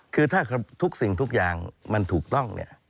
คือถ้าครับทุกสิ่งทุกอย่างมันถูกต้อง